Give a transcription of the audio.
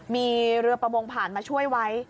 มีเรือประมงผ่านมาช่วยไว้